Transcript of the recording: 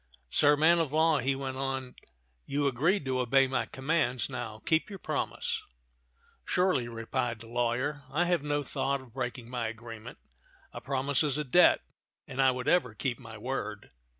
Sir man of law," he went on, "you agreed to obey my commands; now keep your promise." "Surely," replied the lawyer. "I have no thought of breaking my agreement. A promise is a debt, and I would ever keep my word.